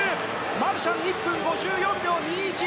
マルシャン、１分５４秒２１。